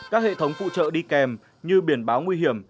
các hệ thống phụ trợ đi kèm như biển báo nguy hiểm